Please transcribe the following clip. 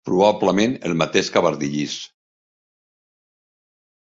Probablement el mateix que Bardyllis.